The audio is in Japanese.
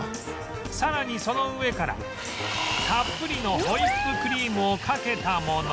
さらにその上からたっぷりのホイップクリームをかけたもの